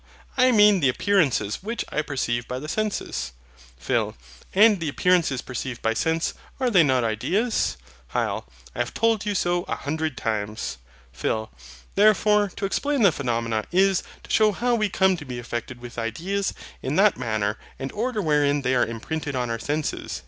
I mean the appearances which I perceive by my senses. PHIL. And the appearances perceived by sense, are they not ideas? HYL. I have told you so a hundred times. PHIL. Therefore, to explain the phenomena, is, to shew how we come to be affected with ideas, in that manner and order wherein they are imprinted on our senses.